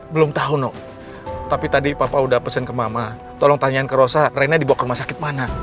belum tahu nok tapi tadi papa udah pesan ke mama tolong tanyain ke rosa rena dibawa ke rumah sakit mana